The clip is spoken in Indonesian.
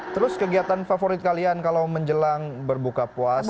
terus kegiatan favorit kalian kalau menjelang berbuka puasa